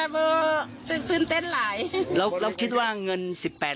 ผู้สื่อข่าวไทยรัฐของเราเนี่ย